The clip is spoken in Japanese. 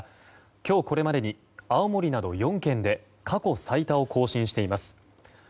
今日これまでに青森など４県で過去最多を更新しています。